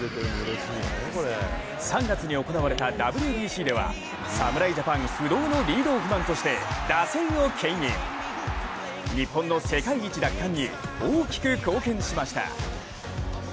３月に行われたＷＢＣでは侍ジャパン不動のリードオフマンとして打線をけん引、日本の世界一奪還に大きく貢献しました。